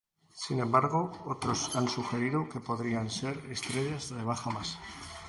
Sin embargo, otros han sugerido que podrían ser estrellas de baja masa.